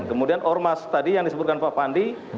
kemudian ormas tadi yang disebutkan pak pandi